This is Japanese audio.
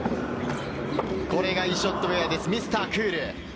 これがイショッド・ウェアです、ミスタークール。